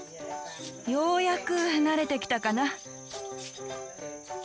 ようやく慣れてきたかな。